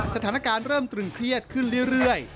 สถานการณ์เริ่มตรึงเครียดขึ้นเรื่อย